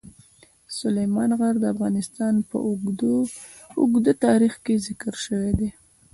سلیمان غر د افغانستان په اوږده تاریخ کې ذکر شوی دی.